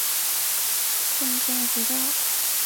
顺治十六年任杭嘉湖道。